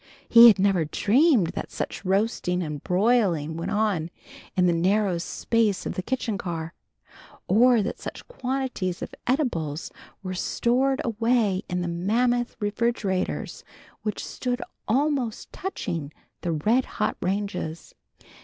He had never dreamed that such roasting and broiling went on in the narrow space of the car kitchen, or that such quantities of eatables were stored away in the mammoth refrigerators which stood almost touching the red hot ranges.